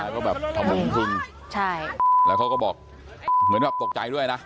ก็แบบขอบคุณคุณแล้วก็เขาบอกเหมือนกับตกใจด้วยนะ